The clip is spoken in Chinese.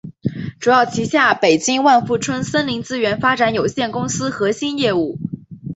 主要旗下北京万富春森林资源发展有限公司核心业务。